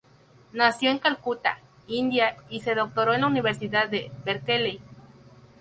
Nació en Calcuta, India y se doctoró en la Universidad de Berkeley.